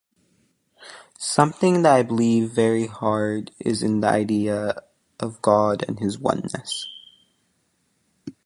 Something that I believe very hard is in the idea of God and his one-ness.